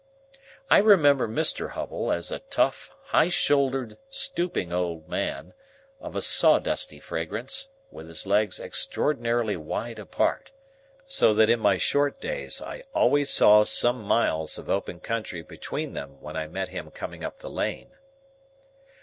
I remember Mr Hubble as a tough, high shouldered, stooping old man, of a sawdusty fragrance, with his legs extraordinarily wide apart: so that in my short days I always saw some miles of open country between them when I met him coming up the lane.